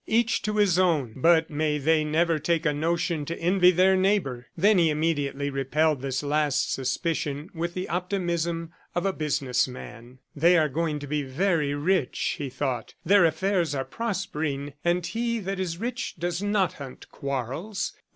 Each to his own, but may they never take a notion to envy their neighbor! ... Then he immediately repelled this last suspicion with the optimism of a business man. "They are going to be very rich," he thought. "Their affairs are prospering, and he that is rich does not hunt quarrels.